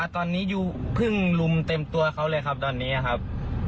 ตอนนี้ยูเพิ่งลุมเต็มตัวเขาเลยครับตอนนี้ครับ